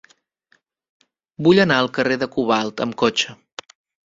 Vull anar al carrer del Cobalt amb cotxe.